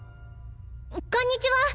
こんにちは！